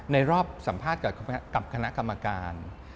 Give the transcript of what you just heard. ในรอบสัมภาษณ์กับคณะกรรมการ